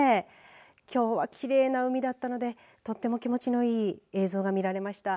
きょうはきれいな海だったのでとっても気持ちのいい映像が見られました。